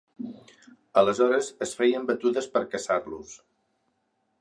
Aleshores es feien batudes per caçar-los.